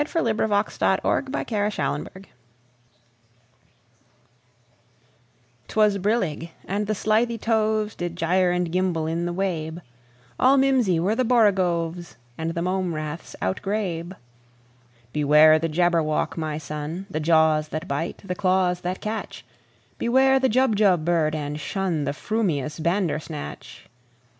Lewis Carroll 1832–98 Jabberwocky CarrollL 'T WAS brillig, and the slithy tovesDid gyre and gimble in the wabe; All mimsy were the borogoves, And the mome raths outgrabe."Beware the Jabberwock, my son! The jaws that bite, the claws that catch! Beware the Jubjub bird, and shunThe frumious Bandersnatch!"